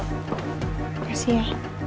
terima kasih ya